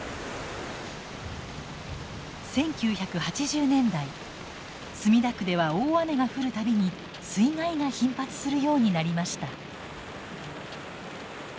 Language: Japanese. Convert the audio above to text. １９８０年代墨田区では大雨が降る度に水害が頻発するようになりました。